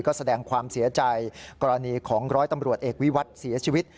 ก็แสดงความเสียใจกรณีของร้อยตำรวจเอกวิวัตรเสียชีวิต